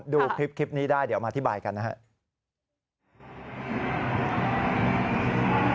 ดูคลิปนี้ได้เดี๋ยวมาอธิบายกันนะครับ